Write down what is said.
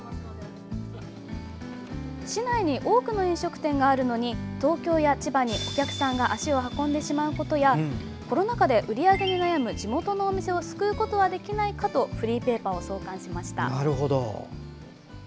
市内に多くの飲食店があるのに東京や千葉にお客さんが足を運んでしまうことやコロナ禍で売り上げに悩む地元のお店を救うことはできないかとフリーペーパーを創刊しました。